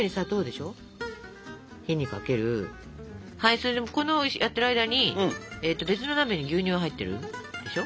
それでこれやってる間に別の鍋に牛乳が入ってるでしょ。